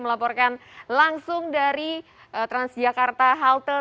melaporkan langsung dari transjakarta halte